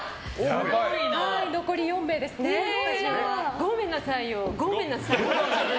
ごめんなさいよーごめんなさい。